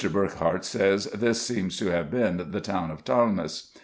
Burckhardt says, this seems to have been the town of Talmis.